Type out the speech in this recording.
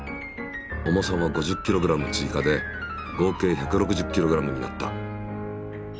重さは５０ｋｇ追加で合計１６０ｋｇになった。